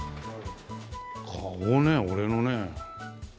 顔ね俺のね。